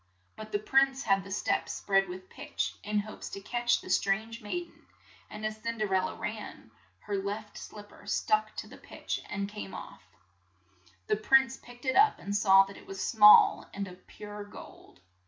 But the CINDERELLA 103 prince had had the steps spread with pitch, in hopes to catch the strange maid en and as Cin der el la ran, her left slip per stuck to the pitch and came off. The prince picked it up and saw that it was small and of pure gold.